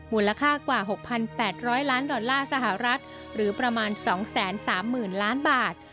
มูลค่ากว่า๖๘๐๐ล้านดอลลาร์สหรัฐหรือประมาณ๒๓๐๐๐ล้านบาท